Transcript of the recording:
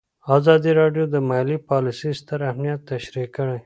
ازادي راډیو د مالي پالیسي ستر اهميت تشریح کړی.